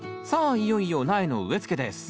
いよいよ苗の植え付けです